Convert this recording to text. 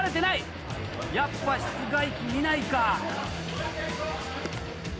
やっぱ室外機見ないか。